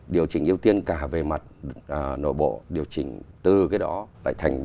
điều chỉnh ưu tiên cả về mặt nội bộ điều chỉnh từ cái đó lại thành